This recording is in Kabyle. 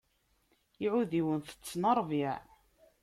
Iɛudiwen tetten ṛṛbiɛ.